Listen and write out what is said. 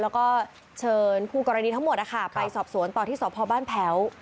แล้วก็เชิญคู่กรณีทั้งหมดไปสอบสวนต่อที่สพบ้านแพ้ว